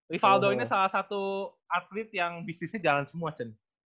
rivaldo ini salah satu atlet yang bisnisnya jalan semua